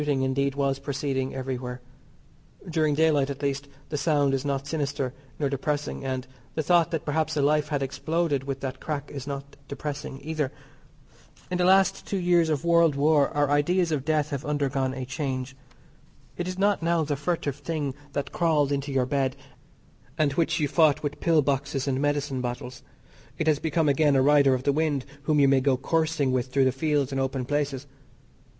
Shooting, indeed, was proceeding everywhere. During daylight, at least, the sound is not sinister nor depressing, and the thought that perhaps a life had exploded with that crack is not depressing either. In the last two years of world war our ideas on death have undergone a change. It is not now the furtive thing that crawled into your bed and which you fought with pill boxes and medicine bottles. It has become again a rider of the wind whom you may go coursing with through the fields and open places.